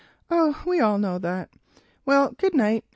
"Oh, we all do that. Well, good night.